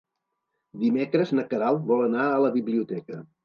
Dimecres na Queralt vol anar a la biblioteca.